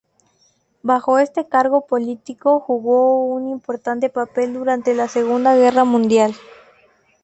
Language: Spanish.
Bajo este cargo político jugó un importante papel durante la Segunda Guerra Mundial.